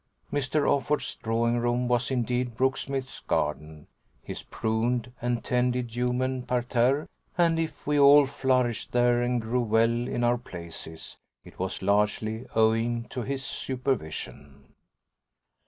Mr. Offord's drawing room was indeed Brooksmith's garden, his pruned and tended human parterre, and if we all flourished there and grew well in our places it was largely owing to his supervision.